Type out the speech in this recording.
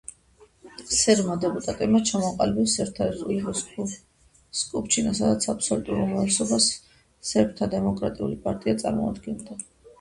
სერბმა დეპუტატებმა ჩამოაყალიბეს სერბთა რესპუბლიკის სკუპშჩინა, სადაც აბსოლუტურ უმრავლესობას სერბთა დემოკრატიული პარტია წარმოადგენდა.